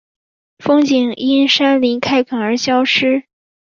风景因山林开垦而消失